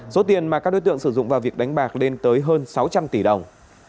số tiền mà các đối tượng sử dụng vào việc đánh bạc lên tới hơn sáu trăm linh tỷ đồng